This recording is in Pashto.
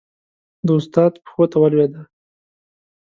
د استاد پښو ته ولوېده.